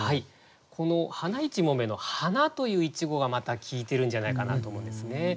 この「花いちもんめ」の「花」という一語がまた効いてるんじゃないかなと思うんですね。